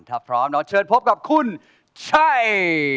ถ้าพร้อมแล้วเชิญพบกับคุณชัย